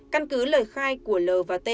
căn cứ lời khai của l t